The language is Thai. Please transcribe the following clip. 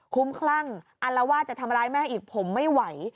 คุ้มคลั่งอัลวาดจะทำร้ายแม่อีกผมไม่ไหว